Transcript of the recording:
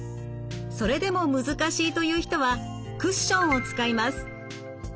それでも難しいという人はクッションを使います。